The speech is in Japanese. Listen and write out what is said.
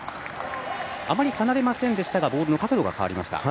あまり離れませんでしたがボールの角度が変わりました。